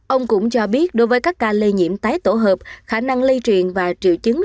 ông cũng cho biết đối với các ca lây nhiễm tái tổ hợp khả năng lây truyền và triệu chứng